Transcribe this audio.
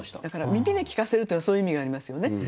だから耳で聞かせるというのはそういう意味がありますよね。